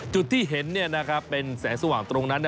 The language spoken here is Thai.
จุดที่เห็นเป็นแสงสว่างตรงนั้น